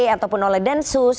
ataupun oleh densus